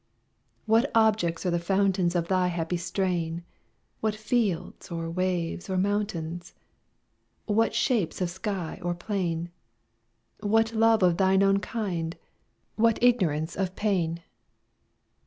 What objects are the fountains Of thy happy strain? What fields, or waves, or mountains? What shapes of sky or plain? What love of thine own kind? what ignorance of pain?